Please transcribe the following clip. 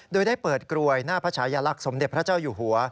โดยได้เปิดกรวยหน้าพระชายลักษณ์สมเด็จพระเจ้าอยู่หัว